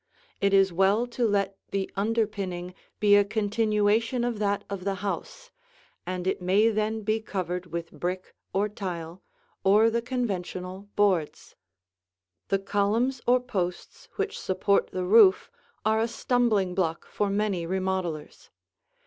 It is well to let the underpinning be a continuation of that of the house, and it may then be covered with brick or tile, or the conventional boards. The columns or posts which support the roof are a stumbling block for many remodelers.